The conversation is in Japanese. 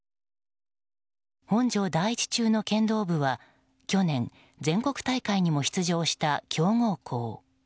本庄第一中の剣道部は、去年全国大会にも出場した強豪校。